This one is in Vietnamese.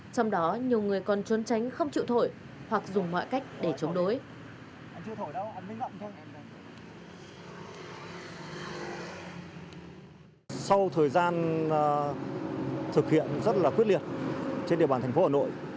trong đó nhiều người còn trốn tránh không chịu thổi hoặc dùng mọi cách để chống đối